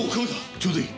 ちょうどいい。